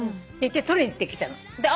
撮りに行ってきたの。